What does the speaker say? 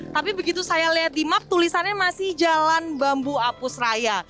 tapi begitu saya lihat di map tulisannya masih jalan bambu apus raya